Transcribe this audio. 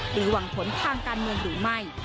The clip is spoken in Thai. หวังผลทางการเมืองหรือไม่